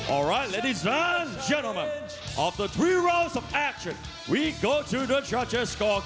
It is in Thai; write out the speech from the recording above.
เอาล่ะทุกคนค่ะตอนนี้ไปที่การลงทาง๓ของชัดเจสสกอร์ค